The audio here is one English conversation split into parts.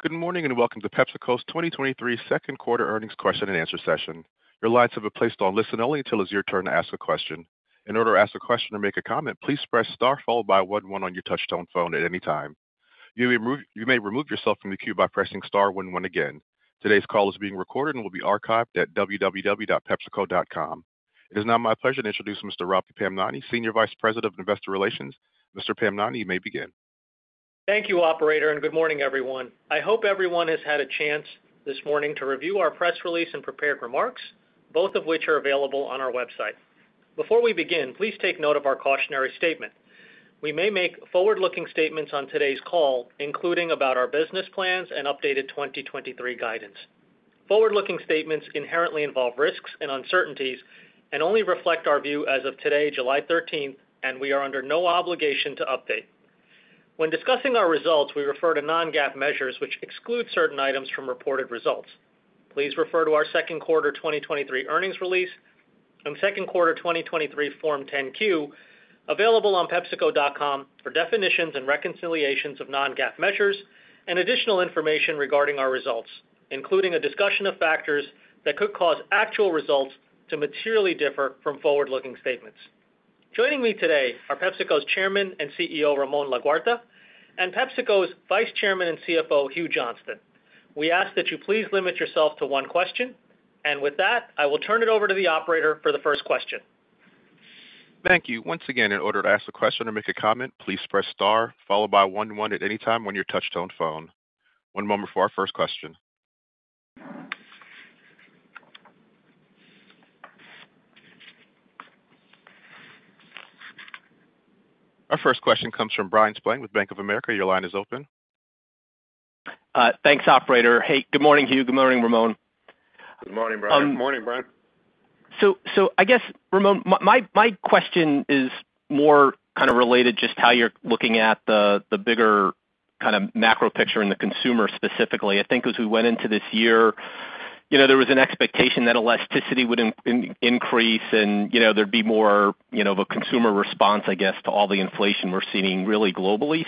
Good morning. Welcome to PepsiCo's 2023 second quarter earnings question and answer session. Your lines have been placed on listen only until it's your turn to ask a question. In order to ask a question or make a comment, please press star, followed by one one on your touchtone phone at any time. You may remove yourself from the queue by pressing star one one again. Today's call is being recorded and will be archived at www.pepsico.com. It is now my pleasure to introduce Mr. Ravi Pamnani, Senior Vice President of Investor Relations. Mr. Pamnani, you may begin. Thank you, operator. Good morning, everyone. I hope everyone has had a chance this morning to review our press release and prepared remarks, both of which are available on our website. Before we begin, please take note of our cautionary statement. We may make forward-looking statements on today's call, including about our business plans and updated 2023 guidance. Forward-looking statements inherently involve risks and uncertainties and only reflect our view as of today, July 13th, and we are under no obligation to update. When discussing our results, we refer to non-GAAP measures, which exclude certain items from reported results. Please refer to our second quarter 2023 earnings release and second quarter 2023 Form 10-Q, available on pepsico.com, for definitions and reconciliations of non-GAAP measures and additional information regarding our results, including a discussion of factors that could cause actual results to materially differ from forward-looking statements. Joining me today are PepsiCo's Chairman and CEO, Ramon Laguarta, and PepsiCo's Vice Chairman and CFO, Hugh Johnston. We ask that you please limit yourself to one question. With that, I will turn it over to the operator for the first question. Thank you. Once again, in order to ask a question or make a comment, please press star, followed by one one at any time on your touchtone phone. One moment before our first question. Our first question comes from Bryan Spillane with Bank of America. Your line is open. Thanks, operator. Hey, good morning, Hugh. Good morning, Ramon. Good morning, Bryan. Good morning, Bryan. I guess, Ramon, my question is more kind of related just how you're looking at the bigger kind of macro picture in the consumer specifically. I think as we went into this year, you know, there was an expectation that elasticity would increase and, you know, there'd be more, you know, of a consumer response, I guess, to all the inflation we're seeing really globally.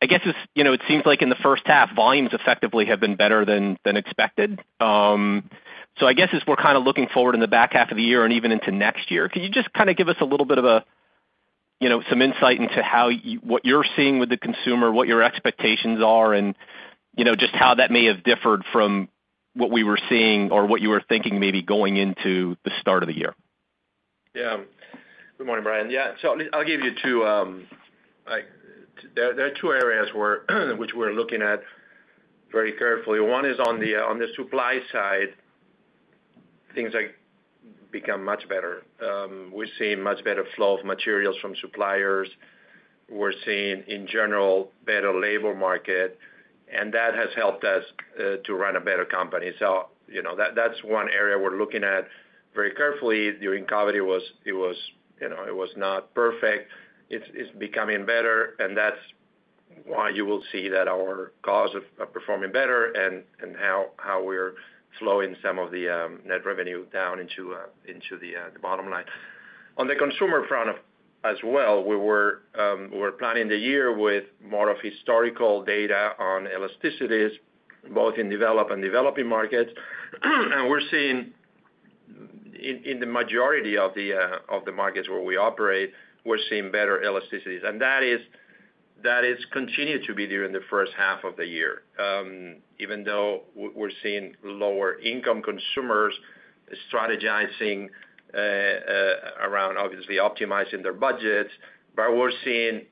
I guess, it's, you know, it seems like in the first half, volumes effectively have been better than expected. I guess as we're kind of looking forward in the back half of the year and even into next year, can you just kind of give us a little bit of A you know, some insight into how what you're seeing with the consumer, what your expectations are, and, you know, just how that may have differed from what we were seeing or what you were thinking maybe going into the start of the year? Good morning, Bryan. I'll give you two, like, there are two areas where, which we're looking at very carefully. One is on the supply side, things are become much better. We're seeing much better flow of materials from suppliers. We're seeing, in general, better labor market, that has helped us to run a better company. You know, that's one area we're looking at very carefully. During COVID, it was, you know, not perfect. It's becoming better, that's why you will see that our costs are performing better and how we're flowing some of the net revenue down into the bottom line. On the consumer front as well, we were planning the year with more of historical data on elasticities, both in developed and developing markets. We're seeing in the majority of the markets where we operate, we're seeing better elasticities. That is continued to be there in the first half of the year. Even though we're seeing lower-income consumers strategizing around obviously optimizing their budgets, but we're seeing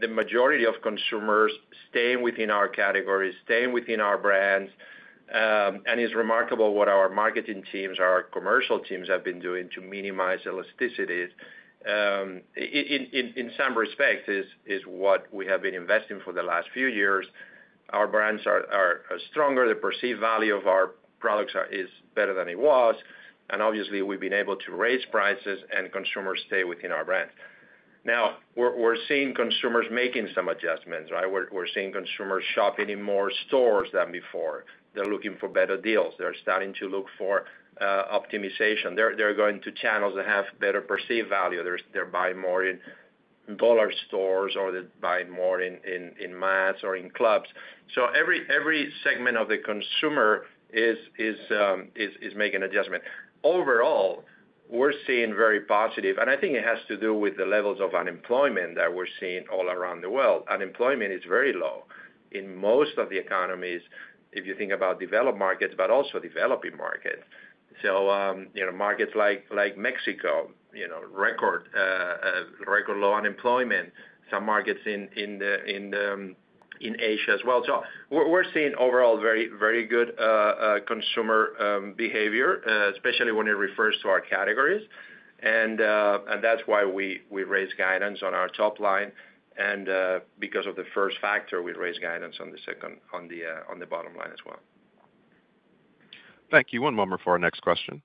the majority of consumers staying within our categories, staying within our brands. It's remarkable what our marketing teams, our commercial teams, have been doing to minimize elasticities. In some respects, is what we have been investing for the last few years. Our brands are stronger. The perceived value of our products is better than it was, and obviously, we've been able to raise prices, and consumers stay within our brand. Now, we're seeing consumers making some adjustments, right? We're seeing consumers shopping in more stores than before. They're looking for better deals. They're starting to look for optimization. They're going to channels that have better perceived value. They're buying more in dollar stores, or they're buying more in mass or in clubs. Every segment of the consumer is making an adjustment. Overall, we're seeing very positive, and I think it has to do with the levels of unemployment that we're seeing all around the world. Unemployment is very low in most of the economies, if you think about developed markets, but also developing markets. You know, markets like Mexico, you know, record low unemployment, some markets in Asia as well. We're seeing overall very good consumer behavior, especially when it refers to our categories. That's why we raised guidance on our top line, and because of the first factor, we raised guidance on the bottom line as well. Thank you. One moment for our next question.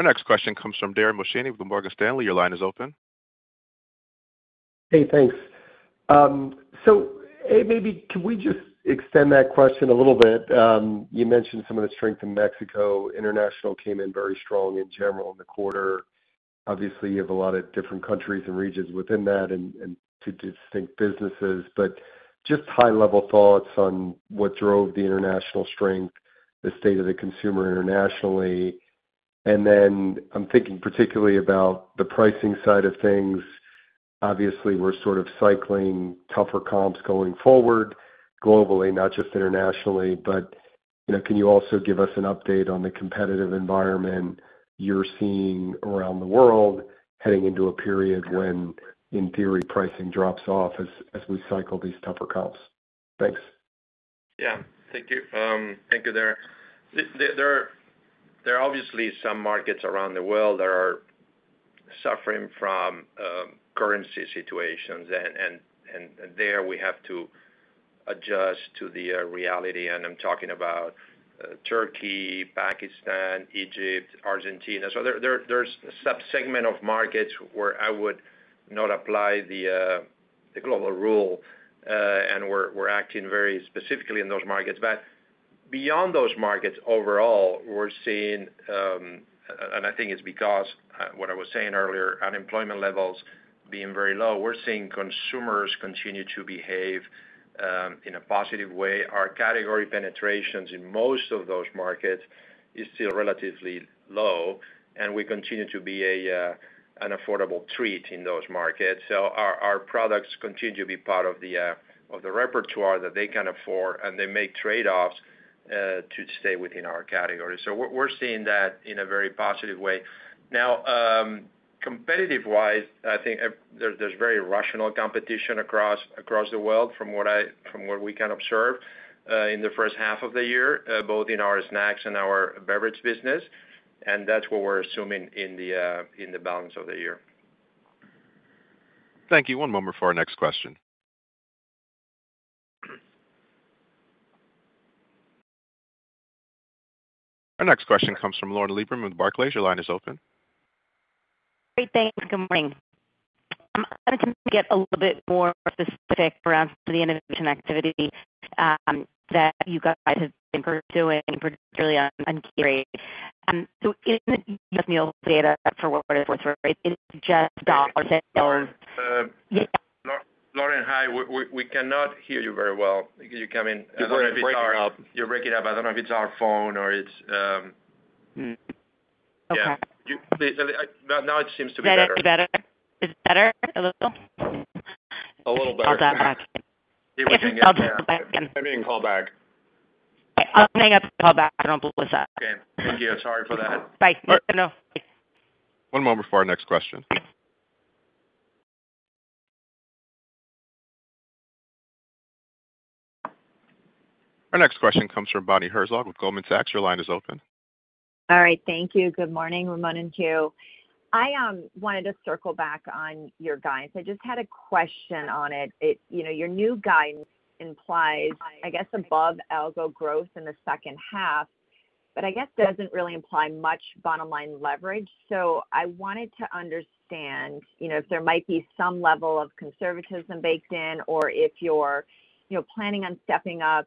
Our next question comes from Dara Mohsenian with Morgan Stanley. Your line is open. Hey, Thanks. Maybe can we just extend that question a little bit? You mentioned some of the strength in Mexico. International came in very strong in general in the quarter. Obviously, you have a lot of different countries and regions within that and two distinct businesses. Just high-level thoughts on what drove the international strength, the state of the consumer internationally. Then I'm thinking particularly about the pricing side of things. Obviously, we're sort of cycling tougher comps going forward globally, not just internationally. You know, can you also give us an update on the competitive environment you're seeing around the world, heading into a period when, in theory, pricing drops off as we cycle these tougher comps? Thanks. Yeah. Thank you. Thank you there. There are obviously some markets around the world that are suffering from currency situations, and there we have to adjust to the reality, and I'm talking about Turkey, Pakistan, Egypt, Argentina. There's a subsegment of markets where I would not apply the global rule, and we're acting very specifically in those markets. Beyond those markets, overall, we're seeing, and I think it's because what I was saying earlier, unemployment levels being very low, we're seeing consumers continue to behave in a positive way. Our category penetrations in most of those markets is still relatively low, and we continue to be an affordable treat in those markets. Our products continue to be part of the repertoire that they can afford, and they make trade-offs to stay within our category. We're seeing that in a very positive way. Now, competitive-wise, I think there's very rational competition across the world, from what we can observe in the first half of the year, both in our snacks and our beverage business, and that's what we're assuming in the balance of the year. Thank you. One moment for our next question. Our next question comes from Lauren Lieberman with Barclays. Your line is open. Great. Thanks, Good morning. I'm gonna get a little bit more specific around some of the innovation activity, that you guys have been pursuing, particularly on category. In the meals data for what, it's just dollar sales- Lauren, hi. We cannot hear you very well. You're. You're breaking up. You're breaking up. I don't know if it's our phone or it's Okay. Now it seems to be better. Is it better? Is it better a little? A little better. I'll dial back. Maybe call back. I'll hang up and call back. I don't believe this out. Okay, thank you. Sorry for that. Bye. One moment before our next question. Our next question comes from Bonnie Herzog with Goldman Sachs. Your line is open. All right, thank you. Good morning, Ramon and Hugh. I wanted to circle back on your guidance. I just had a question on it. You know, your new guidance implies, I guess, above algo growth in the second half, but I guess doesn't really imply much bottom-line leverage. I wanted to understand, you know, if there might be some level of conservatism baked in, or if you're, you know, planning on stepping up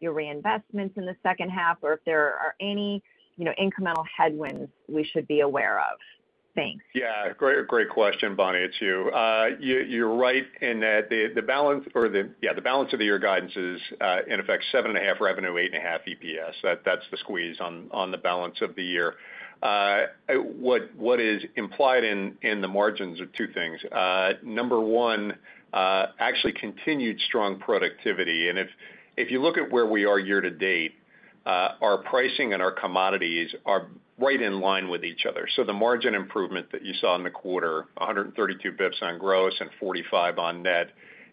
your reinvestments in the second half, or if there are any, you know, incremental headwinds we should be aware of. Thanks. Great, great question, Bonnie, it's Hugh. You're right in that the balance or the, yeah, the balance of the year guidance is in effect, seven and a half revenue, eight and a half EPS. That's the squeeze on the balance of the year. What is implied in the margins are two things. Number one, actually continued strong productivity, and if you look at where we are year-to-date, our pricing and our commodities are right in line with each other. The margin improvement that you saw in the quarter, 132 bips on gross and 45 on net,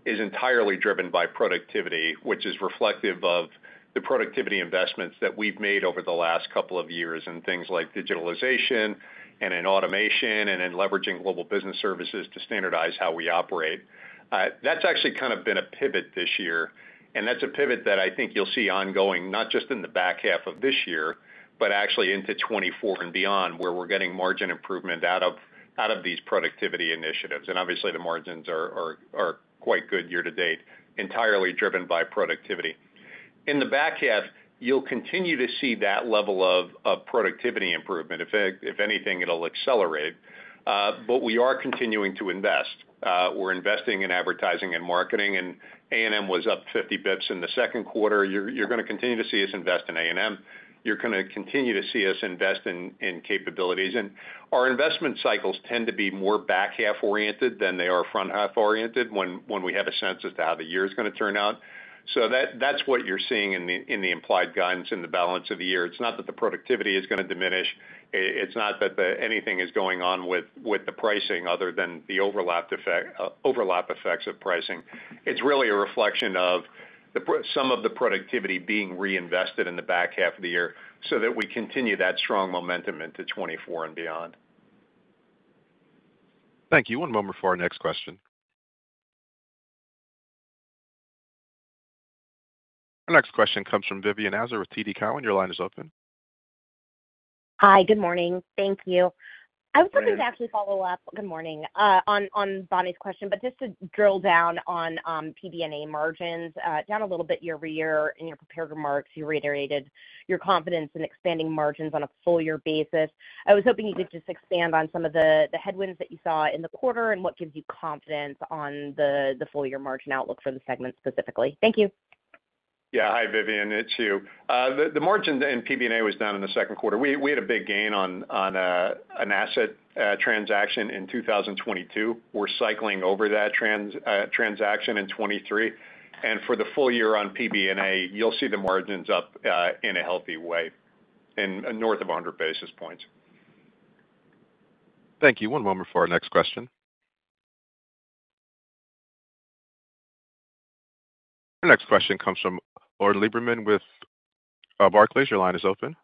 is entirely driven by productivity, which is reflective of the productivity investments that we've made over the last couple of years, in things like digitalization and in automation and in leveraging Global Business Services to standardize how we operate. That's actually kind of been a pivot this year, and that's a pivot that I think you'll see ongoing, not just in the back half of this year, but actually into 2024 and beyond, where we're getting margin improvement out of these productivity initiatives. Obviously, the margins are quite good year to date, entirely driven by productivity. In the back half, you'll continue to see that level of productivity improvement. If anything, it'll accelerate. We are continuing to invest. We're investing in advertising and marketing. A&M was up 50 bips in the 2nd quarter. You're gonna continue to see us invest in A&M. You're gonna continue to see us invest in capabilities. Our investment cycles tend to be more back-half oriented than they are front-half oriented, when we have a sense as to how the year is gonna turn out. That's what you're seeing in the implied guidance in the balance of the year. It's not that the productivity is gonna diminish. It's not that anything is going on with pricing other than the overlapped effect, overlap effects of pricing. It's really a reflection of some of the productivity being reinvested in the back half of the year, so that we continue that strong momentum into 2024 and beyond. Thank you. One moment for our next question. Our next question comes from Vivien Azer with TD Cowen. Your line is open. Hi, good morning. Thank you. I was hoping to actually follow up, good morning, on Bonnie's question, but just to drill down on PBNA margins, down a little bit year-over-year. In your prepared remarks, you reiterated your confidence in expanding margins on a full year basis. I was hoping you could just expand on some of the headwinds that you saw in the quarter and what gives you confidence on the full year margin outlook for the segment specifically. Thank you. Yeah. Hi, Vivien, it's Hugh. The margin in PBNA was down in the second quarter. We had a big gain on an asset transaction in 2022. We're cycling over that transaction in 2023. For the full year on PBNA, you'll see the margins up in a healthy way, and north of 100 basis points. Thank you. One moment for our next question. Our next question comes from Lauren Lieberman with Barclays. Your line is open.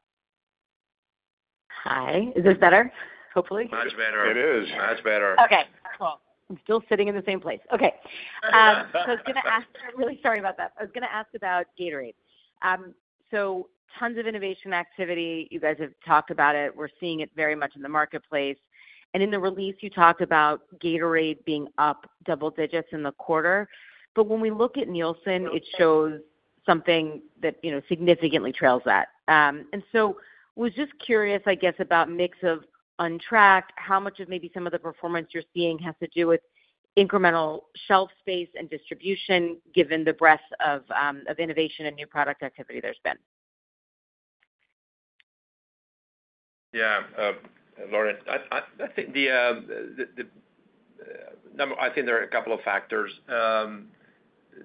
Hi. Is this better? Hopefully. Much better. It is. Much better. Okay, cool. I'm still sitting in the same place. Okay. I'm really sorry about that. I was gonna ask about Gatorade. Tons of innovation activity. You guys have talked about it. We're seeing it very much in the marketplace. In the release, you talked about Gatorade being up double digits in the quarter. When we look at Nielsen, it shows something that, you know, significantly trails that. Was just curious, I guess, about mix of on track, how much of maybe some of the performance you're seeing has to do with incremental shelf space and distribution, given the breadth of innovation and new product activity there's been? Lauren, I think there are a couple of factors.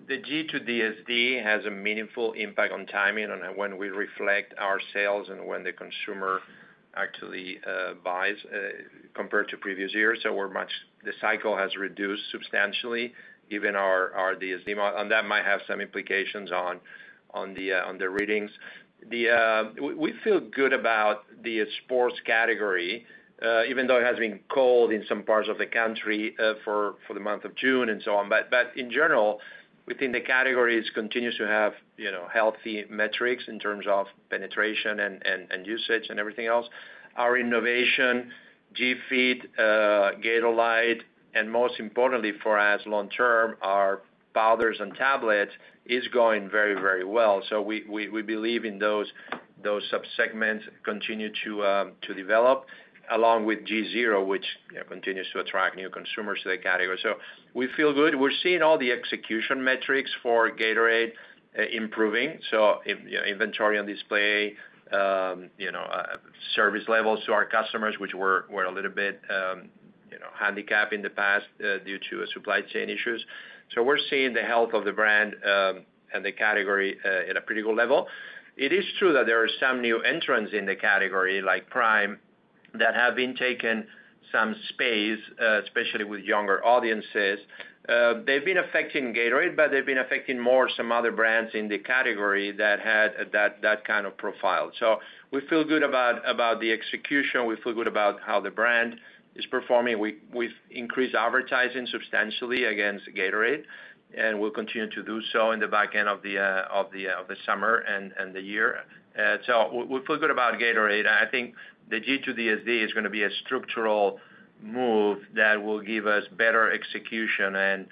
The G to DSD has a meaningful impact on timing and on when we reflect our sales and when the consumer actually buys compared to previous years. The cycle has reduced substantially, given our DSD. That might have some implications on the readings. We feel good about the sports category, even though it has been cold in some parts of the country, for the month of June and so on. In general, within the categories, continues to have, you know, healthy metrics in terms of penetration and usage and everything else. Our innovation, Gatorade Fit, Gatorlyte, and most importantly, for us, long term, our powders and tablets is going very, very well. We believe in those subsegments continue to develop, along with G Zero, which, you know, continues to attract new consumers to the category. We feel good. We're seeing all the execution metrics for Gatorade improving. In, you know, inventory on display, you know, service levels to our customers, which were a little bit, you know, handicapped in the past due to supply chain issues. We're seeing the health of the brand and the category at a pretty good level. It is true that there are some new entrants in the category, like PRIME, that have been taking some space, especially with younger audiences. They've been affecting Gatorade, but they've been affecting more some other brands in the category that had that kind of profile. We feel good about the execution. We feel good about how the brand is performing. We've increased advertising substantially against Gatorade, and we'll continue to do so in the back end of the summer and the year. We feel good about Gatorade. I think the G to DSD is gonna be a structural move that will give us better execution and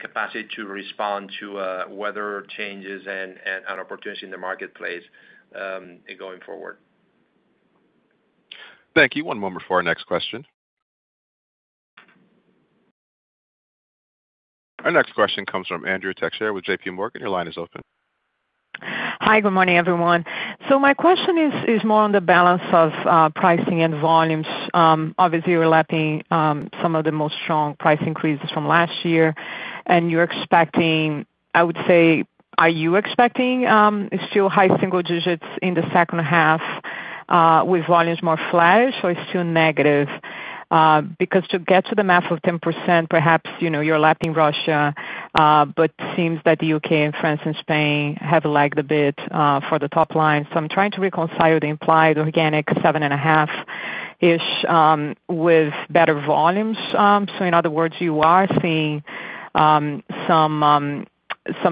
capacity to respond to weather changes and opportunities in the marketplace going forward. Thank you. One moment for our next question. Our next question comes from Andrea Teixeira with JPMorgan. Your line is open. Hi, good morning, everyone. My question is more on the balance of pricing and volumes. Obviously, you're lapping some of the most strong price increases from last year, and you're expecting, I would say, are you expecting still high single digits in the second half with volumes more flat or still negative? Because to get to the math of 10%, perhaps, you know, you're lapping Russia, but seems that the U.K. and France and Spain have lagged a bit for the top line. I'm trying to reconcile the implied organic 7.5-ish with better volumes. In other words, you are seeing some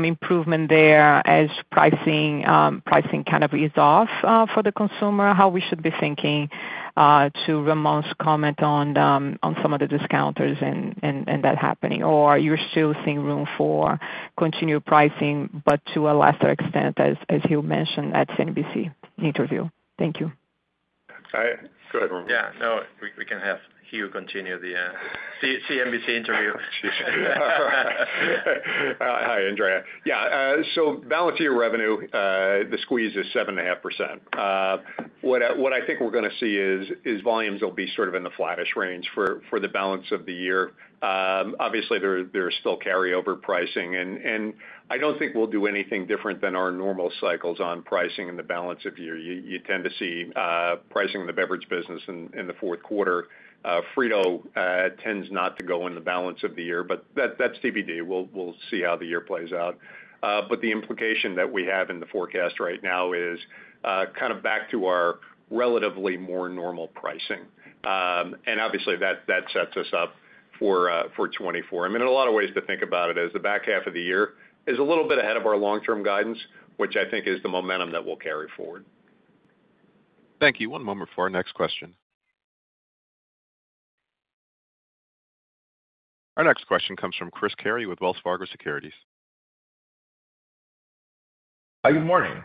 improvement there as pricing kind of ease off for the consumer? How we should be thinking, to Ramon's comment on some of the discounters and that happening, or are you still seeing room for continued pricing, but to a lesser extent, as you mentioned at CNBC interview? Thank you. Go ahead, Ramon. Yeah, no, we can have Hugh continue the CNBC interview. Hi, Andrea. Balance sheet revenue, the squeeze is 7.5%. What I think we're gonna see is volumes will be sort of in the flattish range for the balance of the year. Obviously, there's still carryover pricing, and I don't think we'll do anything different than our normal cycles on pricing in the balance of the year. You tend to see pricing in the beverage business in the fourth quarter. Frito-Lay tends not to go in the balance of the year, that's C&G. We'll see how the year plays out. The implication that we have in the forecast right now is kind of back to our relatively more normal pricing. Obviously, that sets us up for 2024. I mean, there are a lot of ways to think about it, as the back half of the year is a little bit ahead of our long-term guidance, which I think is the momentum that we'll carry forward. Thank you. One moment for our next question. Our next question comes from Chris Carey with Wells Fargo Securities. Good morning.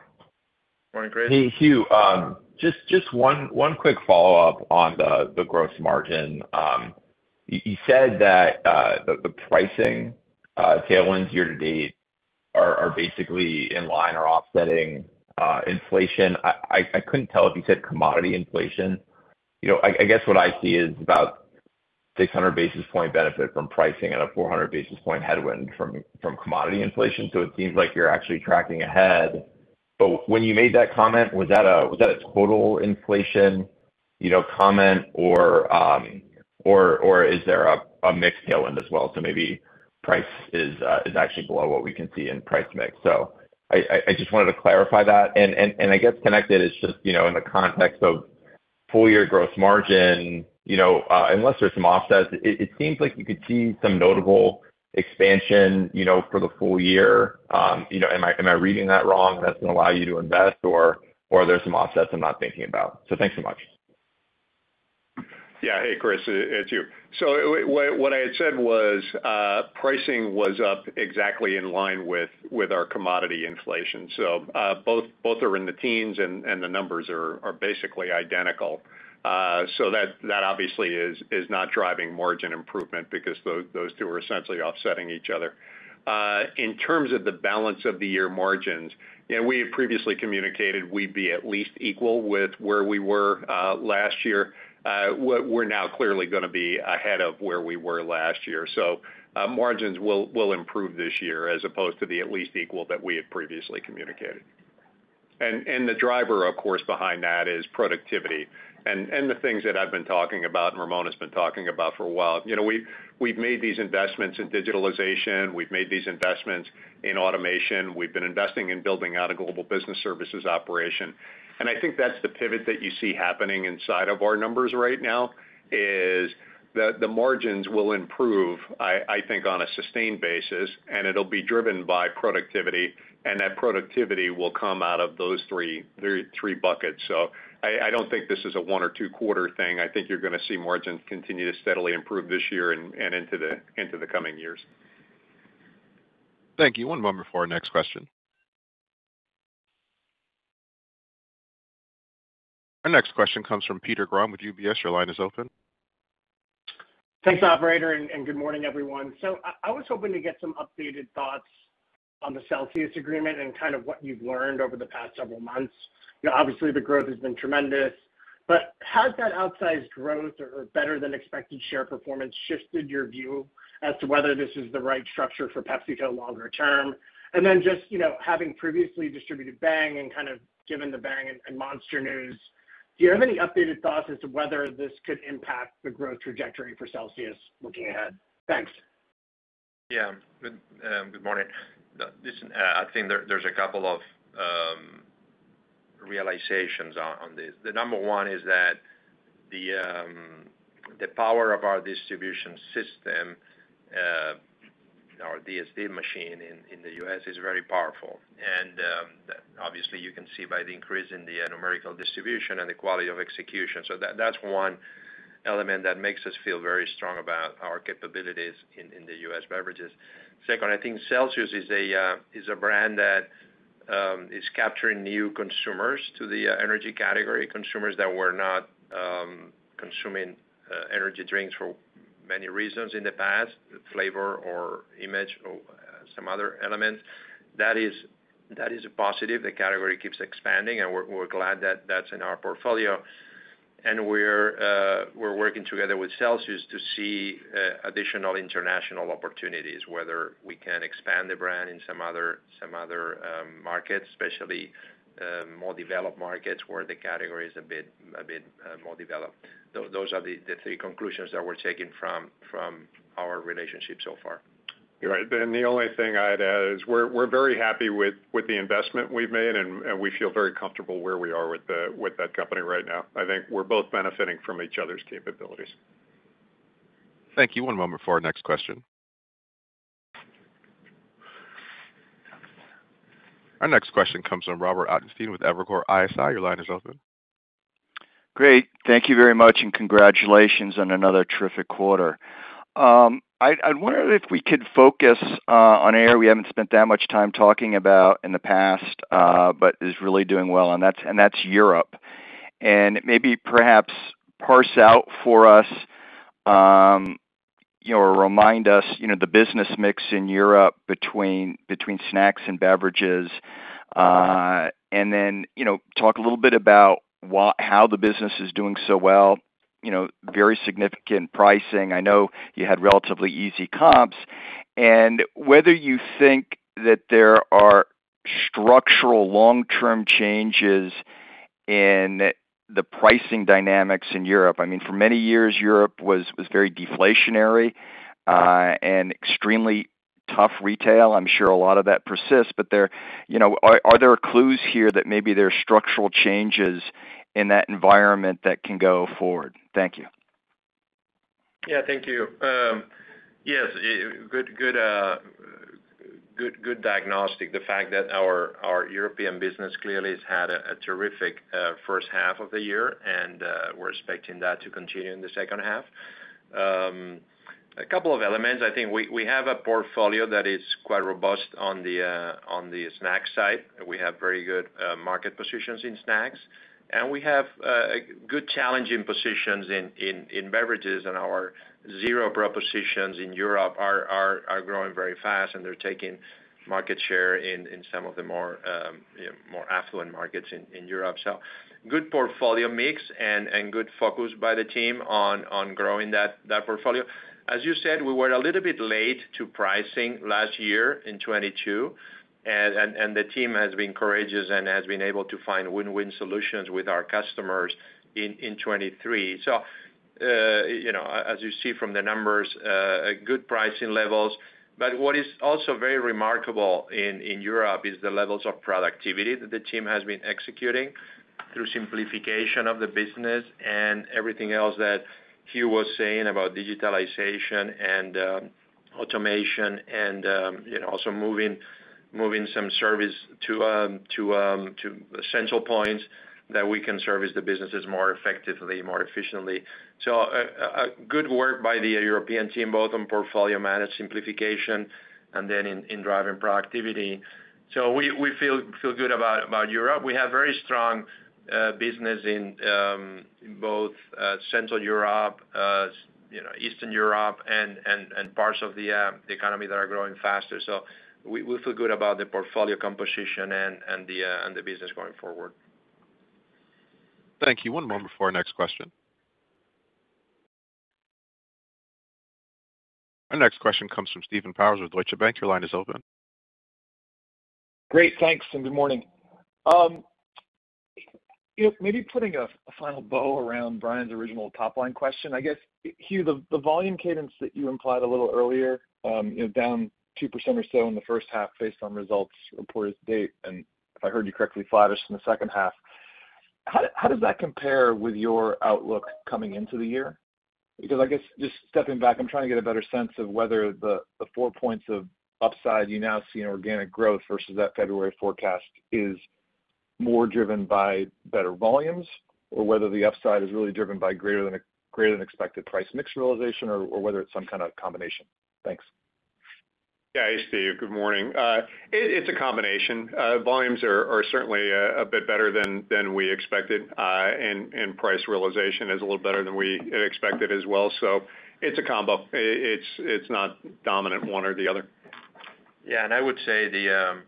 Morning, Chris. Hey, Hugh. Just one quick follow-up on the gross margin. You said that the pricing tailwinds year to date are basically in line or offsetting inflation. I couldn't tell if you said commodity inflation. You know, I guess what I see is about 600 basis point benefit from pricing and a 400 basis point headwind from commodity inflation. It seems like you're actually tracking ahead. When you made that comment, was that a total inflation, you know, comment? Is there a mix tailwind as well, so maybe price is actually below what we can see in price mix? I just wanted to clarify that. I guess connected is just, you know, in the context of full year gross margin, you know, unless there's some offsets, it seems like you could see some notable expansion, you know, for the full year. You know, am I reading that wrong, and that's gonna allow you to invest, or are there some offsets I'm not thinking about? Thanks so much. Yeah. Hey, Chris Carey, it's Hugh Johnston. What I had said was, pricing was up exactly in line with our commodity inflation. Both are in the teens, and the numbers are basically identical. That obviously is not driving margin improvement because those two are essentially offsetting each other. In terms of the balance of the year margins, yeah, we have previously communicated we'd be at least equal with where we were last year. We're now clearly gonna be ahead of where we were last year. Margins will improve this year as opposed to the at least equal that we had previously communicated. The driver, of course, behind that is productivity and the things that I've been talking about, and Ramon's been talking about for a while. You know, we've made these investments in digitalization. We've made these investments in automation. We've been investing in building out a Global Business Services operation. I think that's the pivot that you see happening inside of our numbers right now, is that the margins will improve, I think, on a sustained basis, and it'll be driven by productivity, and that productivity will come out of those three buckets. I don't think this is a one or two-quarter thing. I think you're gonna see margins continue to steadily improve this year and into the coming years. Thank you. One moment before our next question. Our next question comes from Peter Grom with UBS. Your line is open. Thanks, operator, and good morning, everyone. I was hoping to get some updated thoughts on the Celsius agreement and kind of what you've learned over the past several months. You know, obviously, the growth has been tremendous, but has that outsized growth or better-than-expected share performance shifted your view as to whether this is the right structure for PepsiCo longer term? Then just, you know, having previously distributed Bang and kind of given the Bang and Monster news, do you have any updated thoughts as to whether this could impact the growth trajectory for Celsius looking ahead? Thanks. Good morning. Listen, I think there's a couple of realizations on this. The number one is that the power of our distribution system, our DSD machine in the U.S., is very powerful. Obviously, you can see by the increase in the numerical distribution and the quality of execution. That's one element that makes us feel very strong about our capabilities in the U.S. beverages. Second, I think Celsius is a brand that is capturing new consumers to the energy category, consumers that were not consuming energy drinks for many reasons in the past, the flavor or image or some other elements. That is a positive. The category keeps expanding, and we're glad that that's in our portfolio. We're working together with Celsius to see additional international opportunities, whether we can expand the brand in some other markets, especially more developed markets where the category is a bit more developed. Those are the three conclusions that we're taking from our relationship so far. You're right. The only thing I'd add is we're very happy with the investment we've made, and we feel very comfortable where we are with that company right now. I think we're both benefiting from each other's capabilities. Thank you. One moment before our next question. Our next question comes from Robert Ottenstein with Evercore ISI. Your line is open. Great. Thank you very much, congratulations on another terrific quarter. I wonder if we could focus on an area we haven't spent that much time talking about in the past, but is really doing well, and that's Europe. Maybe perhaps parse out for us, you know, or remind us, you know, the business mix in Europe between snacks and beverages. Talk a little bit about how the business is doing so well, you know, very significant pricing. I know you had relatively easy comps. Whether you think that there are structural long-term changes in the pricing dynamics in Europe. I mean, for many years, Europe was very deflationary and extremely competitive. Tough retail, I'm sure a lot of that persists, but there, you know, are there clues here that maybe there are structural changes in that environment that can go forward? Thank you. Yeah, thank you. Yes, good diagnostic. The fact that our European business clearly has had a terrific first half of the year, and we're expecting that to continue in the second half. A couple of elements, I think we have a portfolio that is quite robust on the snacks side. We have very good market positions in snacks, and we have good challenging positions in beverages, and our zero propositions in Europe are growing very fast, and they're taking market share in some of the more, you know, more affluent markets in Europe. Good portfolio mix and good focus by the team on growing that portfolio. As you said, we were a little bit late to pricing last year in 22, and the team has been courageous and has been able to find win-win solutions with our customers in 23. You know, as you see from the numbers, a good pricing levels. What is also very remarkable in Europe is the levels of productivity that the team has been executing through simplification of the business and everything else that Hugh was saying about digitalization and automation and, you know, also moving some service to essential points that we can service the businesses more effectively, more efficiently. A good work by the European team, both on portfolio manage simplification and then in driving productivity. We feel good about Europe. We have very strong business in both Central Europe, you know, Eastern Europe and parts of the economy that are growing faster. We feel good about the portfolio composition and the business going forward. Thank you. One moment before our next question. Our next question comes from Steven Powers with Deutsche Bank. Your line is open. Great. Thanks, Good morning. You know, maybe putting a final bow around Bryan's original top-line question, I guess, Hugh, the volume cadence that you implied a little earlier, you know, down 2% or so in the first half based on results reported to date, and if I heard you correctly, flattish in the second half. How does that compare with your outlook coming into the year? I guess just stepping back, I'm trying to get a better sense of whether the 4 points of upside you now see in organic growth versus that February forecast is more driven by better volumes, or whether the upside is really driven by greater than expected price mix realization, or whether it's some kind of combination. Thanks. Yeah. Hey, Steve, good morning. It's a combination. Volumes are certainly a bit better than we expected, and price realization is a little better than we expected as well. It's a combo. It's not dominant one or the other. Yeah, I would say the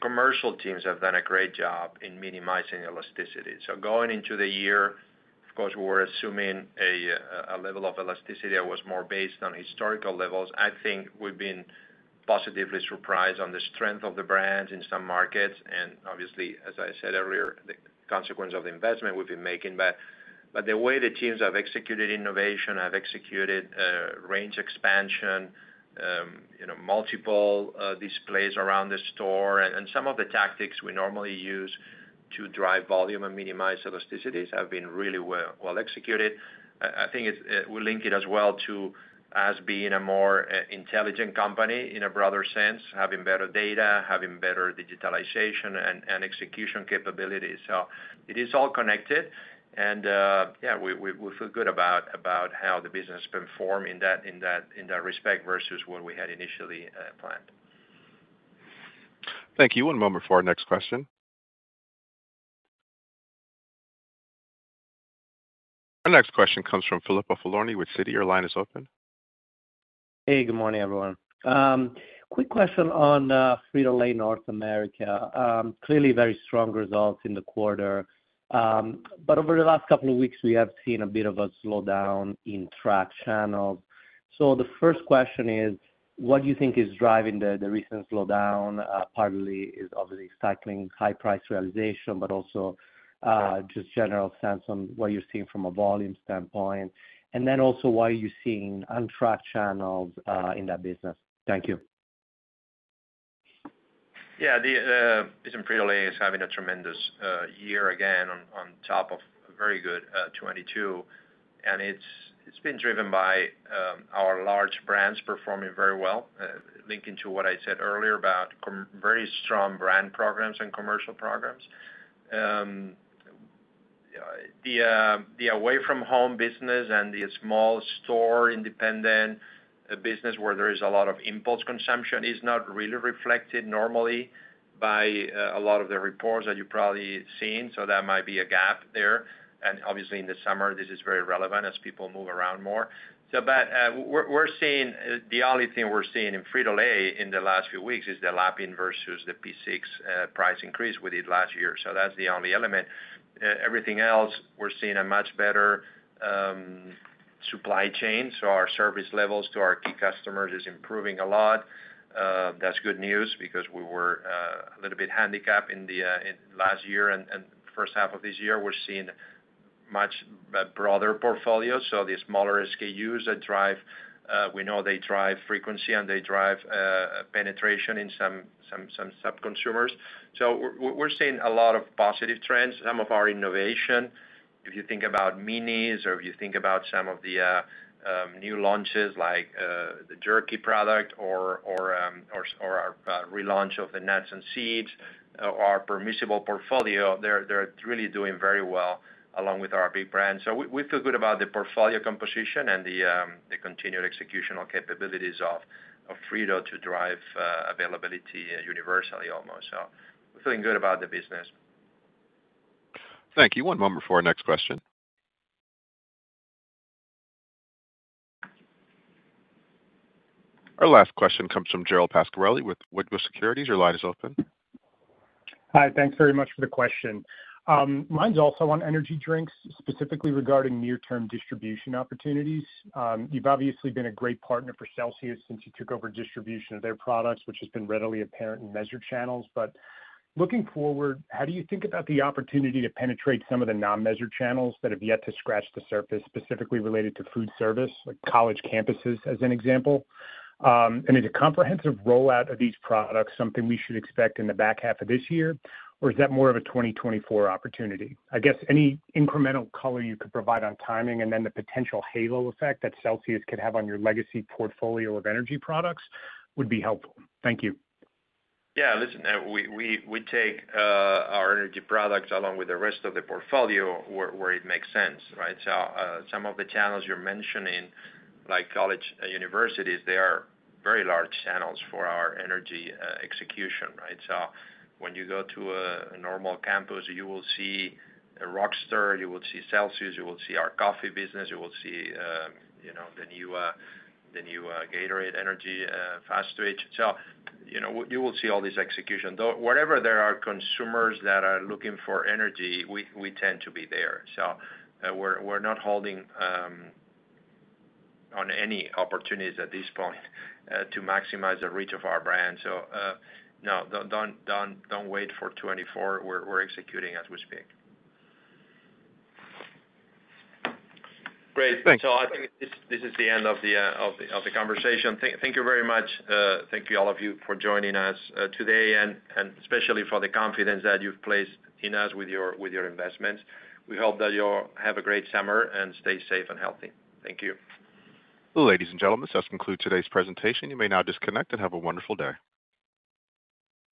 commercial teams have done a great job in minimizing elasticity. Going into the year, of course, we were assuming a level of elasticity that was more based on historical levels. I think we've been positively surprised on the strength of the brands in some markets, and obviously, as I said earlier, the consequence of the investment we've been making. The way the teams have executed innovation, have executed range expansion, you know, multiple displays around the store and some of the tactics we normally use to drive volume and minimize elasticities, have been really well executed. I think we link it as well to as being a more intelligent company in a broader sense, having better data, having better digitalization and execution capabilities. It is all connected, and, yeah, we feel good about how the business performed in that respect versus what we had initially planned. Thank you. One moment before our next question. Our next question comes from Filippo Falorni with Citi. Your line is open. Hey, good morning, everyone. Quick question on Frito-Lay North America. Clearly very strong results in the quarter. Over the last couple of weeks, we have seen a bit of a slowdown in track channels. The first question is: What do you think is driving the recent slowdown? Partly is obviously cycling, high price realization, but also just general sense on what you're seeing from a volume standpoint. Also, why are you seeing untracked channels in that business? Thank you. Yeah, the Frito-Lay is having a tremendous year again on top of a very good 2022, and it's been driven by our large brands performing very well, linking to what I said earlier about very strong brand programs and commercial programs. The away from home business and the small store independent business where there is a lot of impulse consumption, is not really reflected normally by a lot of the reports that you've probably seen, so that might be a gap there. Obviously, in the summer, this is very relevant as people move around more. We're seeing the only thing we're seeing in Frito-Lay in the last few weeks is the lapping versus the P6 price increase we did last year. That's the only element. Everything else, we're seeing a much better supply chain, so our service levels to our key customers is improving a lot. That's good news because we were a little bit handicapped in last year and first half of this year. We're seeing much a broader portfolio, so the smaller SKUs that drive, we know they drive frequency and they drive penetration in some sub-consumers. We're seeing a lot of positive trends. Some of our innovation, if you think about minis or if you think about some of the new launches like the jerky product or or our relaunch of the nuts and seeds or our permissible portfolio, they're really doing very well along with our big brands. We feel good about the portfolio composition and the continued executional capabilities of Frito-Lay to drive availability universally almost. We're feeling good about the business. Thank you. One moment before our next question. Our last question comes from Gerald Pascarelli with Wedbush Securities. Your line is open. Hi, Thanks very much for the question. mine's also on energy drinks, specifically regarding near-term distribution opportunities. you've obviously been a great partner for Celsius since you took over distribution of their products, which has been readily apparent in measured channels. Looking forward, how do you think about the opportunity to penetrate some of the non-measured channels that have yet to scratch the surface, specifically related to food service, like college campuses, as an example? Is a comprehensive rollout of these products something we should expect in the back half of this year, or is that more of a 2024 opportunity? I guess any incremental color you could provide on timing and then the potential halo effect that Celsius could have on your legacy portfolio of energy products would be helpful. Thank you. Yeah, listen, we take our energy products along with the rest of the portfolio where it makes sense, right? Some of the channels you're mentioning, like college and universities, they are very large channels for our energy execution, right? When you go to a normal campus, you will see a Rockstar, you will see Celsius, you will see our coffee business, you will see, you know, the new Gatorade energy, Fast Twitch. You know, you will see all this execution. Wherever there are consumers that are looking for energy, we tend to be there. We're not holding on any opportunities at this point to maximize the reach of our brand. No, don't wait for 2024. We're executing as we speak. Great. Thanks. I think this is the end of the conversation. Thank you very much. Thank you, all of you, for joining us today, and especially for the confidence that you've placed in us with your investments. We hope that you'll have a great summer, and stay safe and healthy. Thank you. Ladies and gentlemen, this does conclude today's presentation. You may now disconnect and have a wonderful day.